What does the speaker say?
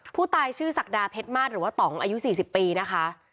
ผู้ตายชื่อศักดาเพชรมาสหรือว่าต่องอายุ๔๐ปีนะคะ